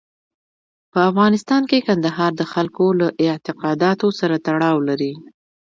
په افغانستان کې کندهار د خلکو له اعتقاداتو سره تړاو لري.